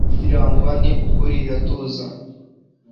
irangwa n'ukuri, iratuza